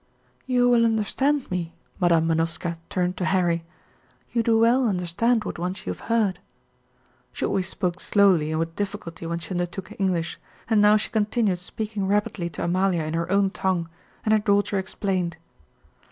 "You will understand me?" Madam Manovska turned to Harry. "You do well understand what once you have heard " She always spoke slowly and with difficulty when she undertook English, and now she continued speaking rapidly to Amalia in her own tongue, and her daughter explained.